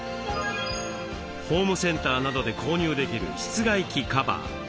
ホームセンターなどで購入できる室外機カバー。